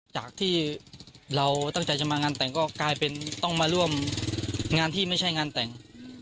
จากที่เราตั้งใจจะมางานแต่งก็กลายเป็นต้องมาร่วมงานที่ไม่ใช่งานแต่ง